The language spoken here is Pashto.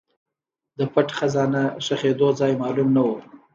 د پټ خزانه ښخېدو ځای معلوم نه و.